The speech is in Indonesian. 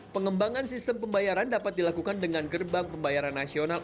pengembangan sistem pembayaran dapat dilakukan dengan gerbang pembayaran nasional